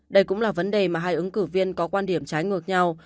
đây cũng là vấn đề mà hai ứng cử viên có quan điểm trái ngược nhau